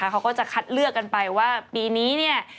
เขาก็จะคัดเลือกกันไปว่าปีนี้เนี่ย